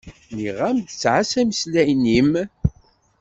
Nniɣ-am-d ttɛassa imeslayen-im.